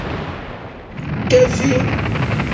Keffi